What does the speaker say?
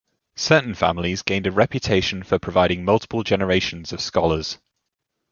Certain families gained a reputation for providing multiple generations of scholars.